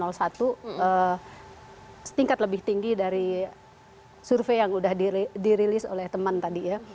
karena kita sudah melakukan survei yang sudah di release oleh teman tadi ya